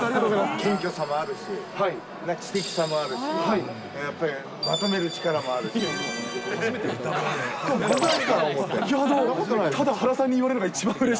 謙虚さもあるし、知的さもあるし、やっぱりまとめる力もあるし。